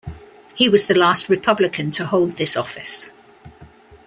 He was the last Republican to hold this office.